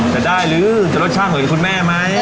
จะได้หรือจะรสชาติเหมือนคุณแม่ไหม